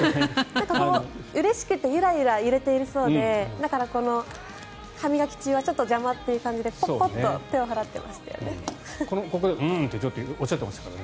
うれしくてゆらゆら揺れているそうでだから、歯磨き中はちょっと邪魔という感じでポッ、ポっと手を払ってましたよね。